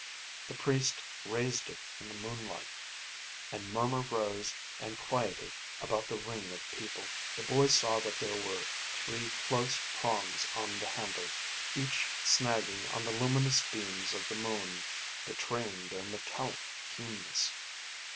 The priest raised it in the moonlight, and a murmur rose and quieted about the ring of people. The boy saw that there were three close prongs on the handle, each snagging on the luminous beams of the moon, betraying their metallic keenness.